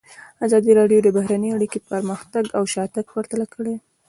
ازادي راډیو د بهرنۍ اړیکې پرمختګ او شاتګ پرتله کړی.